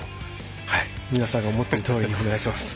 皆さんが思ってるとおりでお願いします。